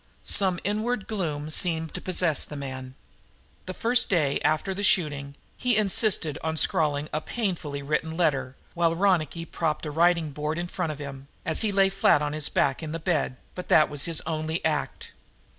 Some inward gloom seemed to possess the man. The first day after the shooting he had insisted on scrawling a painfully written letter, while Ronicky propped a writing board in front of him, as he lay flat on his back in the bed, but that was his only act.